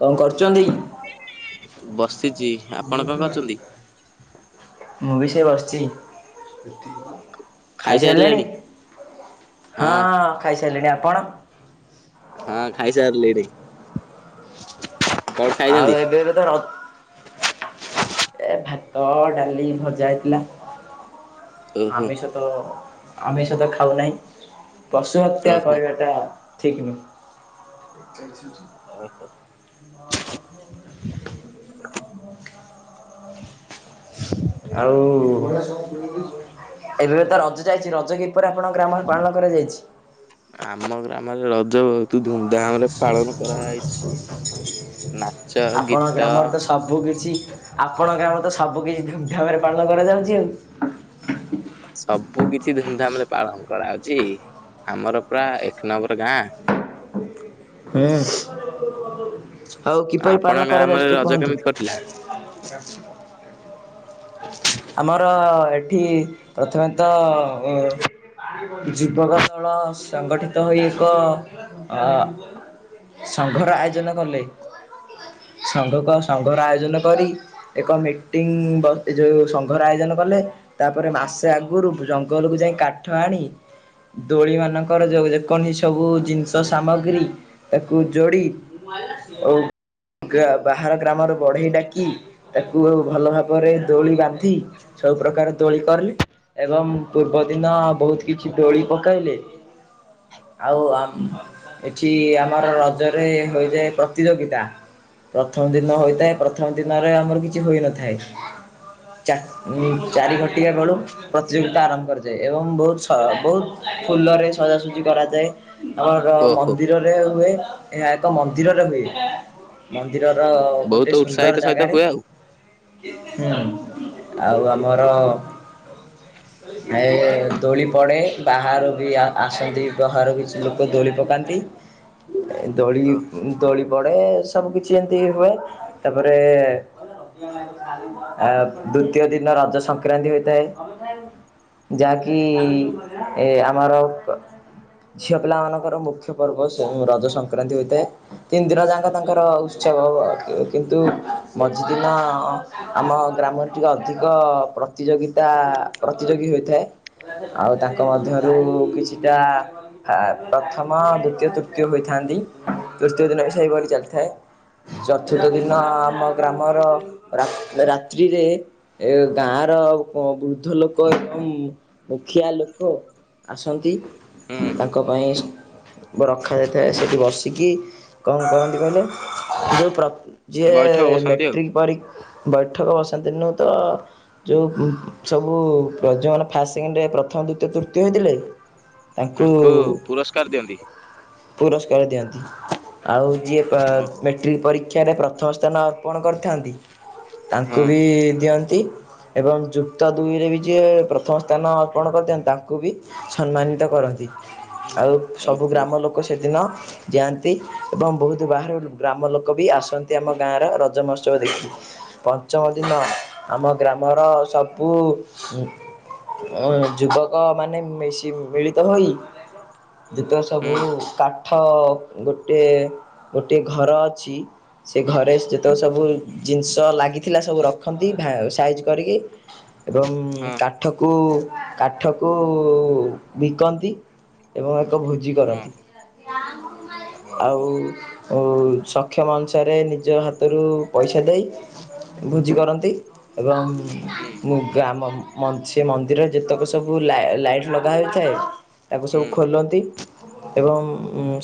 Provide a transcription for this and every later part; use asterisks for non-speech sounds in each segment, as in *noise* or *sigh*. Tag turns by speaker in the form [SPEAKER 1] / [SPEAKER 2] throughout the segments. [SPEAKER 1] କଣ କରୁଚନ୍ତି?
[SPEAKER 2] ବସିଛି ଆପଣ କଣ କରୁଛନ୍ତି?
[SPEAKER 1] ମୁଁ ବି ସେଇ ବସିଚି। ଖାଇସାରିଲେଣି ହଁ ହଁ ଖାଇସାଇଲିଣି ଆପଣ?
[SPEAKER 2] ହଁ ଖାଇସାରିଲିଣି। କଣ
[SPEAKER 1] ଆଉ
[SPEAKER 2] ଖାଇଛନ୍ତି?
[SPEAKER 1] ଏବେ ବଧେ ଅ ଏ ଭାତ, ଡାଲି, ଭଜା ହେଇଥିଲା
[SPEAKER 2] ଓହୋ
[SPEAKER 1] ଆମିଷ ତ ତ ଆମିଷ ତ ଖାଉନାହିଁ ପଶୁ ହତ୍ୟା
[SPEAKER 2] ଓହୋ
[SPEAKER 1] କରିବାଟା ଠିକ୍ ନୁହେଁ। *unintelligible*
[SPEAKER 2] ଓ ହୋ
[SPEAKER 1] *inaudible*
[SPEAKER 2] *inaudible*
[SPEAKER 1] ଆଉ ଏବେ ତ ରଜ ଯାଇଛି ରଜ କି ପରି ଆପଣଙ୍କର ଗ୍ରାମରେ ପାଳନ କରାଯାଇଛି?
[SPEAKER 2] ଆମ ଗ୍ରାମରେ ରଜ ଧୁ ଧୁମଧାମ ରେ ପାଳନ କରାହଇଛି ନାଚ,
[SPEAKER 1] ଆପଣଙ୍କ
[SPEAKER 2] ଗୀତ
[SPEAKER 1] ଗ୍ରାମରେ ତ ସବୁ କିିଛି ଆପଣ ଗାମ ରେ ତ ସବୁ କିଛି ଧୁମଧାମରେ ପାଳନ କରାଯାଉଛି ଆଉ।
[SPEAKER 2] ସବୁ କିଛି ଧୁମଧାମ ରେ ପାଳନ କରାହାଉଛି ଆମର ପୁରା ଏକ ନମ୍ବର ଗାଁ।
[SPEAKER 1] ହୁଁ ଆଉ କିପରି ପାଳନ
[SPEAKER 2] ଆପଣଙ୍କ ଗ୍ରାମରେ
[SPEAKER 1] କରାଯାଉଛି ଟିକେ
[SPEAKER 2] ରଜ
[SPEAKER 1] କୁହନ୍ତୁ?
[SPEAKER 2] କେମିତି କଟିଲା?
[SPEAKER 1] *inaudible* ଆମର ଏଠି ପ୍ରଥମେ ତ ଅ ଯୁବକ ଦଳ ସଂଗଠିତ ହୋଇ ଏକ ଅ ସଂଘର ଆୟୋଜନ କଲେ। ସଂଘ କ ସଂଘର ଆୟୋଜନ କରି ଏକ ମିଟିଂ ବ ଏ ଯୋଉ ସଂଘର ଆୟୋଜନ କଲେ ତାପରେ ମାସେ ଆଗରୁ ଜଙ୍ଗଲକୁୁ ଯାଇ କାଠ ଆଣି ଦୋଳି ମାନଙ୍କର ଯ ଯେକଣସି ସବୁ ଜିନିଷ ସାମଗ୍ରୀ ତାକୁ ଯୋଡି ଆଉ ଗା ବାହାର ଗ୍ରାମରେ ବଢେଇ ଡାକି ତାକୁ ଭଲ ଭାବରେ ଦୋଳି ବାନ୍ଧି ସବୁ ପ୍ରକାର ଦୋଳି କରି ଏବଂ ପୂର୍ବ ଦିନ ବହୁତ କିଛି ଦୋଳି ପକାଇଲେ। ଆଉ ଆ ଏଠି ଆମର ରଜରେ ହୋଇଇଯାଏ ପ୍ରତିଯୋଗିତା। ପ୍ରଥମ ଦିନ ହୋଇଥାଏ ପ୍ରଥମ ଦିନରେ ଆମର କିଛି ହୋଇନଥାଏ। ଚା ଚାରି ଘଟିବା ବେଳୁ ପ୍ରତିଯୋଗିତା ଆରମ୍ଭ କରାଯାଏ ଏବଂ ବହୁତ ବହୁତ ଫୁଲରେ ସଜାସଜି କରାଯାଏ। ଆମର
[SPEAKER 2] ଓହୋ
[SPEAKER 1] ମନ୍ଦିରରେ ହୁଏ ଏହା ଏକ ମନ୍ଦିରରେ ହୁଏ। ମନ୍ଦିରର
[SPEAKER 2] ବହୁତ
[SPEAKER 1] ଗୋଟେ ସୁନ୍ଦର
[SPEAKER 2] ଉତ୍ସାହିତ ସହିତ
[SPEAKER 1] ଜାଗାରେ
[SPEAKER 2] ହୁଏ ଆଉ
[SPEAKER 1] ହଁ ଆଉ ଆମର
[SPEAKER 2] ହ *inaudible*
[SPEAKER 1] ଏ ଦୋଳି ପଡ଼େ ବାହାରୁ ବି ଆସନ୍ତି ବାହାରୁ କିଛି ଲୋକ ଦୋଳି ପକାନ୍ତି।
[SPEAKER 2] *inaudible*
[SPEAKER 1] ଦୋଳି
[SPEAKER 2] ଓ,
[SPEAKER 1] ଦୋଳି ପଡ଼େ ସବୁ କିଛି ଏମିତି ହୁଏ ତାପରେ *unintelligible* ଆ ଦ୍ଵିତୀୟ ଦିନ ରଜ ସଂକ୍ରାନ୍ତି ହୋଇଥାଏ। ଯାକି ଏ ଆମର ଝିଅ ପିଲାମାନଙ୍କର ମୁଖ୍ୟ ପର୍ବ ସେ ରଜ ସଂକ୍ରାନ୍ତି ହୋଇଥାଏ। ତିନି ଦିନ ଯାକ ତାଙ୍କର ଉତ୍ସବ କିନ୍ତୁ ମଝିଦିନ ଆମ ଗ୍ରାମରେ ଟିକେ ଅଧିକ ପ୍ରତିଯୋଗିତା ପ୍ରତିଯୋଗୀ ହୋଇଥାଏ। ଆଉ ତାଙ୍କ ମଧ୍ୟରୁ କିଛିଟା ଆ ପ୍ରଥମ, ଦ୍ଵିତୀୟ, ତୃତୀୟ ହୋଇଥାନ୍ତି। ତୃତୀୟ ଦିନ ବି ସେହିଭରି ଚାଲିଥାଏ। ଚତୁର୍ଥ ଦିନ ଆମ ଗ୍ରାମର ରାତି ରାତ୍ରିରେ ଏ ଗାଁର ବୃଦ୍ଧ ଲୋକ ଏବଂ ମୁଖିଆ ଲୋକ ଆସନ୍ତି।
[SPEAKER 2] ଉଁ।
[SPEAKER 1] ତାଙ୍କ ପାଇଁ ସବୁ ରଖାଯାଇଥାଏ। ସେଠି ବସିକି କଣ କରନ୍ତି କହିଲେ ଯୋଉ ପ୍ର
[SPEAKER 2] ବୈଠକ
[SPEAKER 1] ଯିଏ
[SPEAKER 2] ବସନ୍ତି ଆଉ
[SPEAKER 1] ମେଟ୍ରିକ ପରି ବୈଠକ ବସାନ୍ତି ନୁହଁ ତ ଯୋଉ ସବୁ ପ୍ରଜାମାନେ ଫାଷ୍ଟ ସେକେଣ୍ଡରେ ପ୍ରଥମ, ଦ୍ୱିତୀୟ, ତୃତୀୟ ହୋଇଥିଲେ ତାଙ୍କୁ
[SPEAKER 2] ପୁରସ୍କାର ଦିଅନ୍ତି
[SPEAKER 1] ପୁରସ୍କାର ଦିଅନ୍ତି। ଆଉ ଯିଏ
[SPEAKER 2] ଓହୋ
[SPEAKER 1] ମେଟ୍ରିକ ପରୀକ୍ଷାରେ ପ୍ରଥମ ସ୍ଥାନ ଅର୍ପଣ କରିଥାନ୍ତି।
[SPEAKER 2] ହଁ
[SPEAKER 1] ତାଙ୍କୁ ବି ଦିଅନ୍ତି। ଏବଂ ଯୁକ୍ତ ଦୁଇରେ ବି ଯିଏ ପ୍ରଥମ ସ୍ଥାନ ଅର୍ପଣ କରିଥାନ୍ତି ତାଙ୍କୁ ବି ସମ୍ମାନିତ କରନ୍ତି। ଆଉ ସବୁ
[SPEAKER 2] ଓହୋ
[SPEAKER 1] ଗ୍ରାମଲୋକ ସେଦିନ ଯାଆନ୍ତି ଏବଂ ବହୁତ ବାହାରୁ ଗ୍ରାମଲୋକ ବି ଆସନ୍ତି ଆମ ଗାଁର ରଜ ମହୋତ୍ସବ ଦେଖି ପଞ୍ଚମ
[SPEAKER 2] ହୁଁ
[SPEAKER 1] ଦିନ
[SPEAKER 2] ହୁଁ
[SPEAKER 1] ଆମ ଗ୍ରାମର ସବୁ ଉଁ ଯୁବକମାନେ ମିିଶି ମିଳିତ ହୋଇ ଯେତକ
[SPEAKER 2] ହୁଁ
[SPEAKER 1] ସବୁ କାଠ ଗୋଟେ ଗୋଟିଏ ଘର ଅଛି, ସେ ଘରେ ଯେତକ ସବୁ ଜିନିଷ ଲାଗିଥିଲା ସବୁ ରଖନ୍ତି ଭା ସାଇଜ୍ କରିକି। ଏବଂ
[SPEAKER 2] ହଁ
[SPEAKER 1] କାଠକୁ କାଠକୁ ବିକନ୍ତି। ଏବଂ ଏକ ଭୋଜି
[SPEAKER 2] ହଁ।
[SPEAKER 1] କରନ୍ତି। ଆଉ
[SPEAKER 2] ଓହୋ
[SPEAKER 1] ଓ ସକ୍ଷମ ଅନୁସାରେ ନିଜ ହାତରୁ ପଇସା ତା ଦେଇେ ଭୋଜି କରନ୍ତି ଏବଂ
[SPEAKER 2] ହୁଁ
[SPEAKER 1] ମୁଁ ଗ୍ରାମ ମଝି ସେ ମନ୍ଦିରରେ ଯେତେକ ସବୁ ଲାଇ ଲାଇଟ୍ ଲଗା ହୋଇଥାଏ ତାକୁ ସବୁ
[SPEAKER 2] ହୁଁ
[SPEAKER 1] ଖୋଲନ୍ତି। ଏବଂ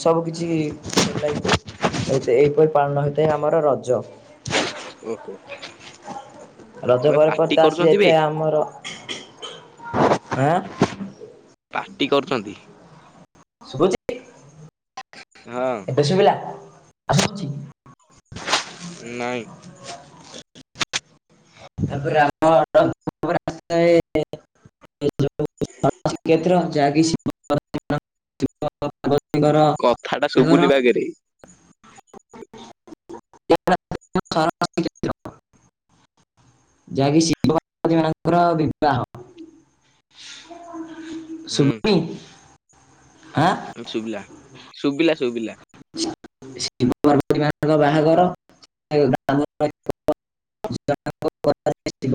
[SPEAKER 1] ସବୁକିଛି ଖୋଲା ହେଇ *unintelligible* ଏ ଏଇପରି ପାଳନ ହେଇଥାଏ ଆମର ରଜ।
[SPEAKER 2] ଓହୋ।
[SPEAKER 1] ରଜ
[SPEAKER 2] ଆବେ
[SPEAKER 1] ପରେ ପରେ
[SPEAKER 2] ପାଟି
[SPEAKER 1] ତ
[SPEAKER 2] କରୁଛନ୍ତି ବେ
[SPEAKER 1] ଆସିଯାଇଥାଏ ଆମର, ଆଁ
[SPEAKER 2] ପାଟି କରୁଛନ୍ତି?
[SPEAKER 1] ଶୁଭୁଛି ଟି?
[SPEAKER 2] ହଁ।
[SPEAKER 1] ଏବେ ଶୁଭିଲା?
[SPEAKER 2] ନାଇଁ।
[SPEAKER 1] ତାପରେ ଆମ *unintelligible* *unintelligible* କେତେ ଟଙ୍କା ଯାହା କିିଛି।
[SPEAKER 2] କଥାଟା ଶୁଭୁନି ବାଗରେ।
[SPEAKER 1] *unintelligible* ଯାହାକି ଶିବ ପାର୍ବତୀ ମାନଙ୍କର ବିବାହ। ଶୁଭନି ଆଁ
[SPEAKER 2] ଏବେ ଶୁଭିଲା ଶୁଭିଲା ଶୁଭିଲା।
[SPEAKER 1] ଶିବ ପାର୍ବତୀ ମା'ଙ୍କର ବାହାଘର। *unintelligible* ଶିବ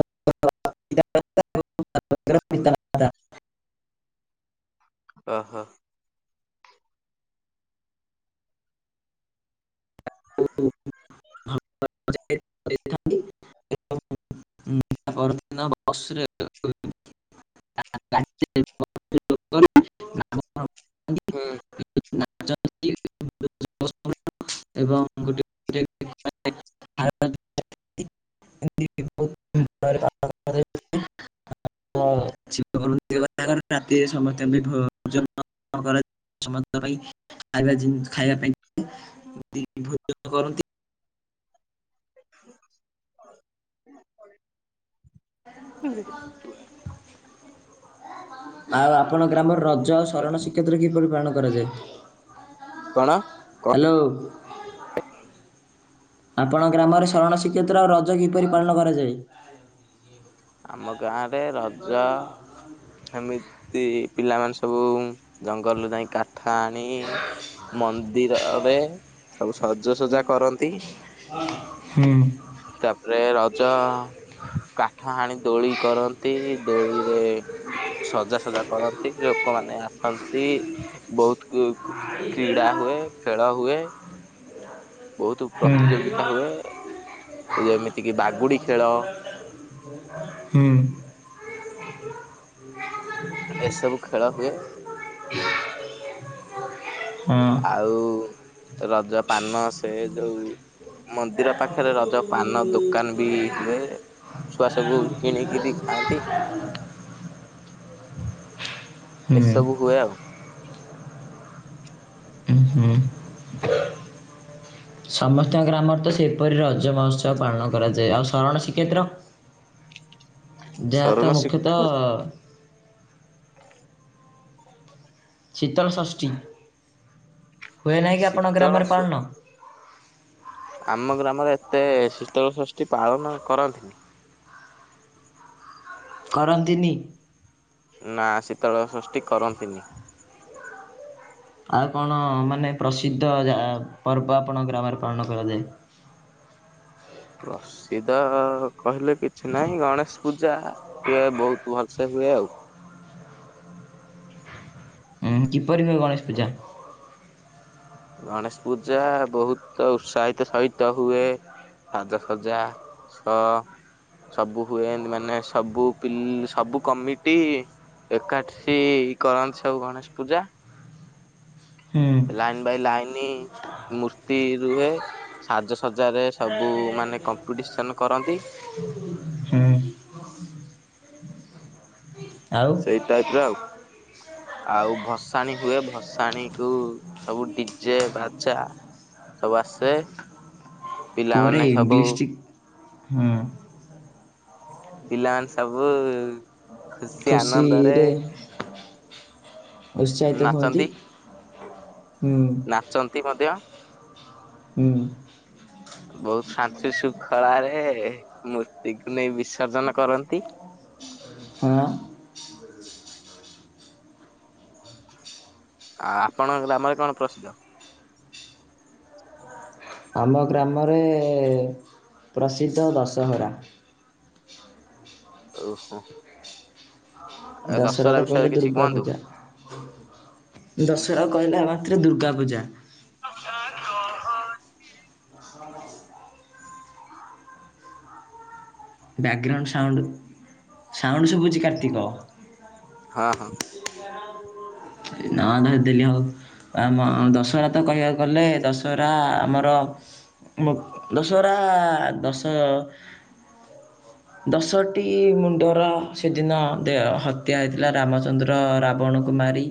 [SPEAKER 1] ପିତାମାତା ଏବଂ *unintelligible*
[SPEAKER 2] ଓହୋ।
[SPEAKER 1] *inaudible* *unintelligible* *unintelligible* *unintelligible*
[SPEAKER 2] ହୁଁ।
[SPEAKER 1] *unintelligible* ଏବଂ *unintelligible* *inaudible* *inaudible* ଶୀତ କରନ୍ତି *inaudible* ରାତିରେ ସମସ୍ତିଙ୍କ ପାଇଁ ଭୋଜନ କରା ସମସ୍ତଙ୍କ ପାଇଁ ଖାଇବା ଜିନି ଖାଇବା ପାଇଁ *inaudible* ଭୋଜନ କରନ୍ତି।
[SPEAKER 2] *inaudible*
[SPEAKER 1] ଆଉ ଆପଣଙ୍କ ଗ୍ରାମରେ ରଜ ଆଉ ଶରଣ ଶୀକ୍ଷେ କିପରି ପାଳନ କରାଯାଏ?
[SPEAKER 2] କଣ?
[SPEAKER 1] ହାଲୋ।
[SPEAKER 2] *inaudible*
[SPEAKER 1] ଆପଣଙ୍କ ଗ୍ରାମରେ ଶରଣ ଶ୍ରୀକ୍ଷେତ୍ର ଆଉ ରଜ କିପରି ପାଳନ କରାଯାଏ?
[SPEAKER 2] ଆମ ଗାଁରେ ରଜ ସେମିତି ପିଲାମାନେ ସବୁ ଜଙ୍ଗଲରୁ ଯାଇଁ କାଠ ଆଣି ମନ୍ଦିରରେ ସବୁ ସଜସଜା କରନ୍ତି।
[SPEAKER 1] ହୁଁ।
[SPEAKER 2] ତାପରେ ରଜ କାଠ ହାଣି ଦୋଳି କରନ୍ତି ଦୋଳିରେ ସଜାସଜା କରନ୍ତି ଲୋକମାନେ ଆସନ୍ତି। ବୋହୁତ କୁ-କୁ-କ୍ରୀଡ଼ା ହୁଏ ଖେଳ ହୁଏ। ବୋହୁତୁ
[SPEAKER 1] ହୁଁ ହୁଁ
[SPEAKER 2] ପ୍ରତିଯୋଗିତା ହୁଏ ଏ ଯେମିତିକି ବାଗୁଡି ଖେଳ।
[SPEAKER 1] ହୁଁ।
[SPEAKER 2] ଏସବୁ ଖେଳ ହୁଏ।
[SPEAKER 1] ହୁଁ।
[SPEAKER 2] ଆଉ ରଜ ପାନ ସେ ଯୋଉ ମନ୍ଦିର ପାଖରେ ରଜ ପାନ ଦୋକାନ ବି ହୁଏ। ଛୁଆ ସବୁ କିଣିକିରି ଖାଆନ୍ତି।
[SPEAKER 1] ହୁଁ
[SPEAKER 2] ଏସବୁ ହୁଏ ଆଉ।
[SPEAKER 1] ଉଁହୁଁ। ସମସ୍ତଙ୍କ ଗ୍ରାମରେ ତ ସେପରି ରଜ ମହୋତ୍ସବ ପାଳନ କରାଯାଏ ଆଉ ଶରଣ ଶ୍ରୀକ୍ଷେତ୍ର?
[SPEAKER 2] ଶରଣ ଶ୍ରୀକ୍ଷେ
[SPEAKER 1] ହଁ। ଶୀତଳଷଷ୍ଠୀ ହୁଏ ନାହିଁ କି ଆପଣଙ୍କ
[SPEAKER 2] ଶୀତଳ
[SPEAKER 1] ଗ୍ରାମରେ
[SPEAKER 2] ଷ-
[SPEAKER 1] ପାଳନ?
[SPEAKER 2] ଆମ ଗ୍ରାମରେ ଏତେ ଶୀତଳ ଷଷ୍ଠୀ ପାଳନ କରନ୍ତିନି।
[SPEAKER 1] କରନ୍ତିନି?
[SPEAKER 2] ନାଁ ଶୀତଳଷଷ୍ଠୀ କରନ୍ତିନି।
[SPEAKER 1] ଆଉ କଣ ମାନେ ପ୍ରସିଦ୍ଧ ଯାଆ ପର୍ବ ଆପଣଙ୍କ ଗ୍ରାମରେ ପାଳନ କରାଯାଏ?
[SPEAKER 2] ପ୍ରସିଦ୍ଧ କହିଲେ କିଛି ନାଇ ଗଣେଶ ପୂଜା ଟିକେ ବୋହୁତ ଭଲସେ ସେ ହୁଏ ଆଉ।
[SPEAKER 1] ଉଁହୁଁ କିପରି ହୁଏ ଗଣେଶ ପୂଜା?
[SPEAKER 2] ଗଣେଶ ପୂଜା ବୋହୁତ ଉତ୍ସାହିତ ସହିତ ହୁଏ। ସାଜସଜା ସହ ସବୁ ହୁଏ ଏମତି ମାନେ ସବୁ ପିଲ୍ ସବୁ କମିଟି ଏକାଠି କରନ୍ତି ସବୁ ଗଣେଶ ପୂଜା।
[SPEAKER 1] ହୁଁ
[SPEAKER 2] ଲାଇନ ବାଇ ଲାଇନ ମୂର୍ତ୍ତି ରୁହେ। ସାଜସଜାରେ ସବୁ ମାନେ କମ୍ପିଟିସନ କରନ୍ତି।
[SPEAKER 1] ହୁଁ। ହ
[SPEAKER 2] ସେଇ ଟାଇପର ଆଉ। ଆଉ ଭସାଣୀ ହୁଏ ଭସାଣୀକୁ ସବୁ ଡିଜେ ବାଜା ସବୁ ଆସେ।
[SPEAKER 1] ପୁରୀ
[SPEAKER 2] ପିଲାମାନେ ସବୁ
[SPEAKER 1] ଡିଷ୍ଟିକ ହୁଁ।
[SPEAKER 2] ପିଲାମାନେ ସବୁ ଖୁସି ଆନନ୍ଦରେ
[SPEAKER 1] ଖୁସିରେ ଉତ୍ସାହିତ ହୁଅନ୍ତି
[SPEAKER 2] ନାଚନ୍ତି
[SPEAKER 1] ହୁଁ,।
[SPEAKER 2] ନାଚନ୍ତି ମଧ୍ୟ।
[SPEAKER 1] ହୁଁ।
[SPEAKER 2] ବହୁତ ଶାନ୍ତି ଶୃଙ୍ଖଳାରେ ମୂର୍ତ୍ତିକୁ ନେଇ ବିସର୍ଜନ କରନ୍ତି।
[SPEAKER 1] ହଁ।
[SPEAKER 2] ଆଉ ଆପଣଙ୍କ ଗ୍ରାମରେ କଣ ପ୍ରସିଦ୍ଧ?
[SPEAKER 1] ଆମ ଗ୍ରାମରେ ପ୍ରସିଦ୍ଧ ଦଶହରା।
[SPEAKER 2] ଓ ହଁ।
[SPEAKER 1] ଦଶହରା ତ
[SPEAKER 2] ବିଷୟରେ
[SPEAKER 1] କହିଲେ
[SPEAKER 2] କିଛି
[SPEAKER 1] ଦୁର୍ଗା
[SPEAKER 2] କୁହନ୍ତୁ
[SPEAKER 1] ପୂଜା। ଦଶରା କଇଲା ମାତ୍ରେ ଦୁର୍ଗା ପୂଜା।
[SPEAKER 2] *inaudible*
[SPEAKER 1] *inaudible* ବ୍ୟାଗ୍ ଗ୍ରାଉଣ୍ଡ ସାଉଣ୍ଡୁ, ସାଉଣ୍ଡୁ ଶୁଭୁଚି କାର୍ତ୍ତିକ।
[SPEAKER 2] ହଁ, ହଁ।
[SPEAKER 1] *inaudible* ଏ ନା ନା ଦିନେ ହଉ। ଆମ ଦଶହରା ତ କହିବାକୁ ଗଲେ, ଦଶହରା ଆମର ମୋ ଦଶହରା ଦଶ ଦଶଟି ମୁଣ୍ଡର ସେଦିନ ଦେ ହତ୍ୟା ହେଇଥିଲା, ରାମଚନ୍ଦ୍ର ର ରାବଣକୁ ମାରି।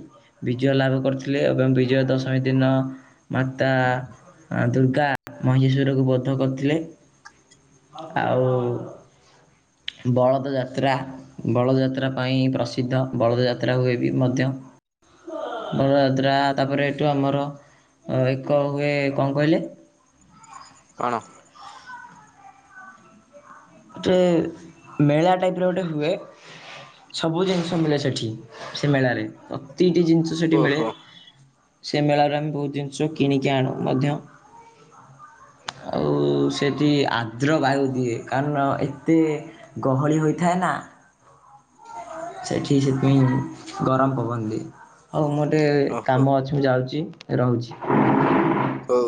[SPEAKER 1] ବିଜୟ ଲାଭ କରିଥିଲେ ଏବଂ ବିଜୟ ଦଶମୀ ଦିନ ମାତା ଅଁ, ଦୁର୍ଗା। ମହିଷାସୁରକୁ ବଦ୍ଧ କରିଥିଲେ ଆଉ ବଳଦ ଯାତ୍ରା। ବଳଯାତ୍ରା ପାଇଁ ପ୍ରସିଦ୍ଧ। ବଳଦଯାତ୍ରା ହୁଏ ବି ମଧ୍ୟ। ବଳଯାତ୍ରା ତାପରେ ଏଠୁ ଆମର ଅ, ଏକ ହୁଏ କଣ କହିଲେ?
[SPEAKER 2] କଣ?
[SPEAKER 1] ଗୋଟେ ମେଳା ଟାଇପ୍ ର ଗୋଟେ ହୁଏ ସବୁ ଜିନିଷ ମିଳେ ସେଠି। ସେ ମେଳାରେ ପ୍ରତିଟି ଜିନିଷ ସେଠି ମିଳେ।
[SPEAKER 2] ଓହୋ
[SPEAKER 1] ସେ ମେଳାରେ ଆମେ ବହୁତ ଜିନିଷ କିଣିକି ଆଣୁ ମଧ୍ୟ। ଆଉ ସେଠି ଆର୍ଦ୍ର ବାୟୁ ଦିଏ। କାରଣ ଏତେ ଗହଳି ହୋଇଥାଏ ନା। ସେଠି ସେଥିପାଇଁ ଗରମ ପବନ ଦିଏ। ହଉ ମୋର ଟେ
[SPEAKER 2] ଓହୋ
[SPEAKER 1] କାମ ଅଛି। ମୁଁ ଯାଉଚି, ରହୁଛି।
[SPEAKER 2] ହଉ।